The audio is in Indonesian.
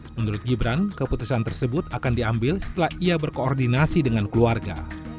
menurut gibran keputusan tersebut akan diambil setelah ia berkoordinasi dengan keluarga